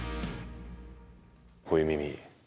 こういう耳。